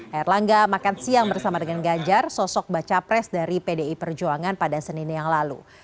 air langga makan siang bersama dengan ganjar sosok baca pres dari pdi perjuangan pada senin yang lalu